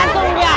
kita gantung dia